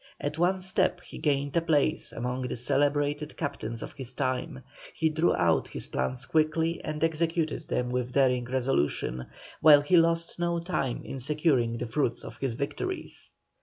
At one step he gained a place among the celebrated captains of his time; he drew out his plans quickly and executed them with daring resolution, while he lost no time in securing the fruits of his victories.